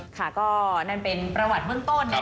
ค่ะก็นั่นเป็นประวัติเบื้องต้น